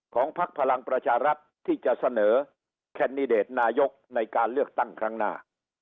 พักพลังประชารัฐที่จะเสนอแคนดิเดตนายกในการเลือกตั้งครั้งหน้า